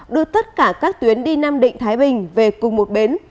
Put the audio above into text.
đưa tất cả các tuyến đi nam định thái bình về cùng một bến